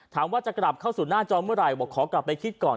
ถามว่าจะกลับเข้าสู่หน้าจอเมื่อไหร่บอกขอกลับไปคิดก่อน